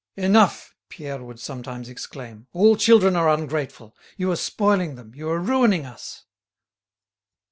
"Enough!" Pierre would sometimes exclaim, "all children are ungrateful. You are spoiling them, you are ruining us."